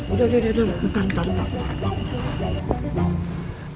udah udah udah bentar bentar bentar